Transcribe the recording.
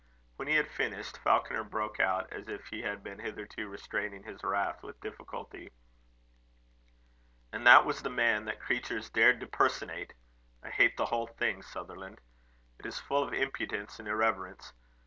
When he had finished, Falconer broke out, as if he had been hitherto restraining his wrath with difficulty: "And that was the man the creatures dared to personate! I hate the whole thing, Sutherland. It is full of impudence and irreverence.